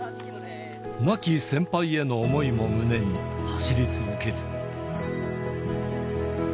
亡き先輩への思いも胸に走り続ける。